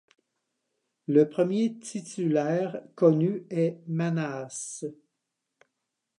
Le premier titulaire connu est Manasses.